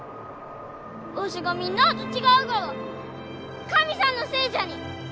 わしがみんなあと違うがは神さんのせいじゃに！